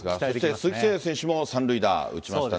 鈴木誠也選手も３塁打、打ちましたね。